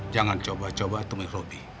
jangan coba coba temen robby